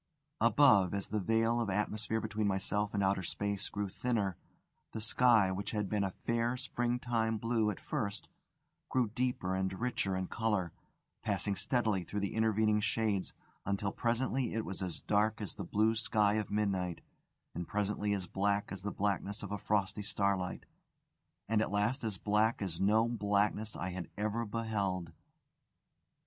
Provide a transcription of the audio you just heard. Above, as the veil of atmosphere between myself and outer space grew thinner, the sky, which had been a fair springtime blue at first, grew deeper and richer in colour, passing steadily through the intervening shades, until presently it was as dark as the blue sky of midnight, and presently as black as the blackness of a frosty starlight, and at last as black as no blackness I had ever beheld.